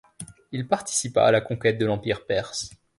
Il participa à la conquête de l'empire perse.